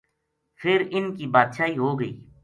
فِر اِنھ کی بادشاہی ہو گئی